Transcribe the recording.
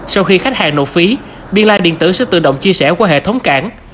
sau khi khách hàng nộp phí biên lai điện tử sẽ tự động chia sẻ qua hệ thống cảng